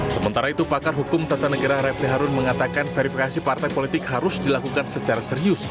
sementara itu pakar hukum tni refleharun mengatakan verifikasi partai politik harus dilakukan secara serius